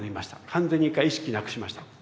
完全に一回意識なくしました。